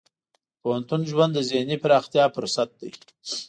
د پوهنتون ژوند د ذهني پراختیا فرصت دی.